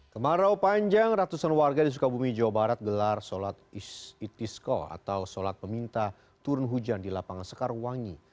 kemarau panjang ratusan warga di sukabumi jawa barat gelar sholat istitisko atau sholat peminta turun hujan di lapangan sekarwangi